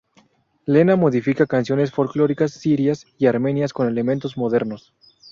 Lena modifica canciones folclóricas sirias y armenias con elementos modernos.